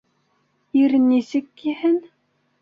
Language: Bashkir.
Ир нисек киһен?